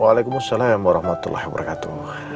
waalaikumsalam warahmatullahi wabarakatuh